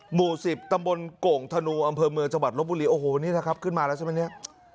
หมู่๑๐ตำบลโก่งธนูอำเภอเมืองจังหวัดลบบุรีโอ้โหนี่แหละครับขึ้นมาแล้วใช่ไหมเนี่ย